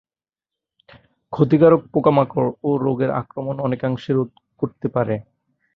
ক্ষতিকারক পোকামাকড় ও রোগের আক্রমণ অনেকাংশে রোধ করতে পারে।